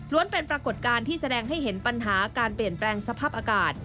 เป็นปรากฏการณ์ที่แสดงให้เห็นปัญหาการเปลี่ยนแปลงสภาพอากาศ